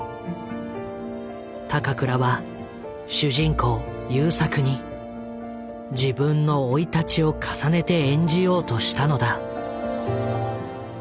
高倉は主人公勇作に自分の生い立ちを重ねて演じようとしたのだ。